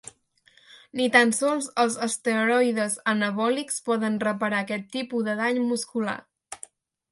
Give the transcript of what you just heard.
Ni tan sols els esteroides anabòlics poden reparar aquest tipus de dany muscular.